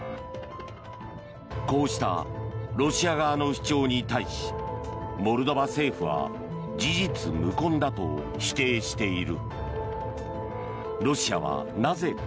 こうしたロシア側の主張に対しモルドバ政府は事実無根だと否定している。